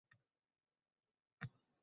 Kunlar ham o‘tdilar takror va takror